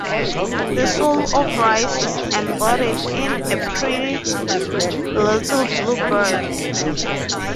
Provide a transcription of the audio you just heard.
The soul of rice is embodied in a pretty little blue bird.